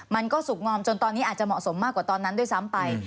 มันก็สุขงอมจนตอนนี้อาจจะเหมาะสมมากกว่าตอนนั้นด้วยซ้ำไป